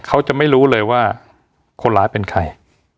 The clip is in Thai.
เขาจะไม่รู้เลยว่าคนร้ายเป็นใคร